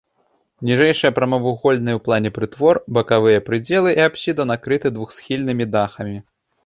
Ніжэйшыя прамавугольныя ў плане прытвор, бакавыя прыдзелы і апсіда накрыты двухсхільнымі дахамі.